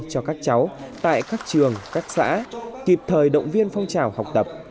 cho các cháu tại các trường các xã kịp thời động viên phong trào học tập